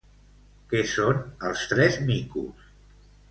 Què són els tres micos?